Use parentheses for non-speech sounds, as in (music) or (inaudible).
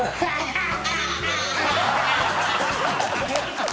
ハハハ (laughs)